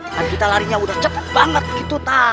kan kita larinya udah cepet banget gitu